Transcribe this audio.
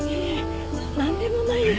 何でもないよ。